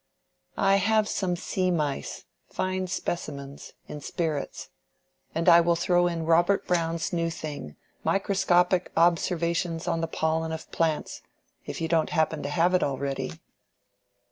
"I have some sea mice—fine specimens—in spirits. And I will throw in Robert Brown's new thing—'Microscopic Observations on the Pollen of Plants'—if you don't happen to have it already."